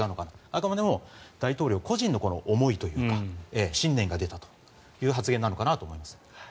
あくまでも大統領個人の思いというか信念が出たという発言なのかなと思います。